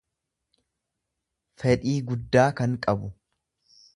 fedhii guddaa kan qabu.